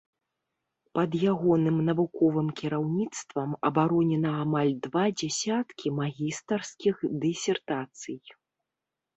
Пад ягоным навуковым кіраўніцтвам абаронена амаль два дзясяткі магістарскіх дысертацый.